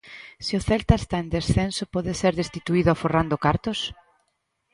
Se o Celta está en descenso pode ser destituído aforrando cartos?